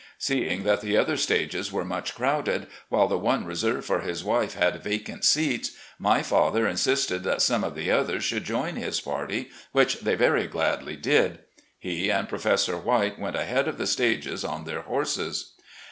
Seeing that the other stages were much crowded, while the one reserved for his wife had vacant seats, my father insisted that some of the others shoxild join his party, which they very gladly did. He and Professor White went ahead of the stages on their horses.